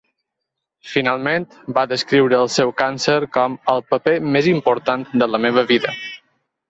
Finalment, va descriure el seu càncer com "el paper més important de la meva vida".